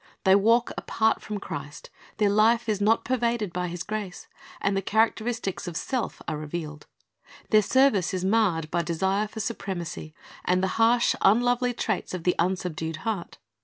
"^ They walk apart from Christ, their life is not pervaded by His grace, and the characteristics of self are rev^ealed. Their service is marred by desire for supremacy, and the harsh, unlovely traits of the unsubdued heart.